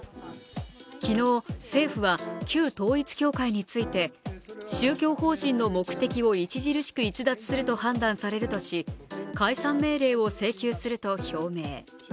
昨日、政府は旧統一教会について、宗教法人の目的を著しく逸脱すると判断されるとし、解散命令を請求すると表明。